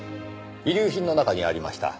遺留品の中にありました。